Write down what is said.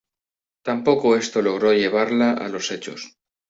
Tampoco esto logró llevarla a los hechos.